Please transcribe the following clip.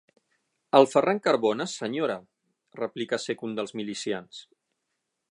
El Ferran Carbona, senyora! –replicà, sec, un dels milicians.